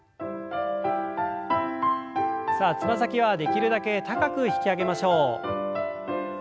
さあつま先はできるだけ高く引き上げましょう。